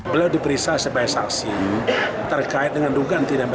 beliau diperiksa sebagai saksi terkait dengan dugaan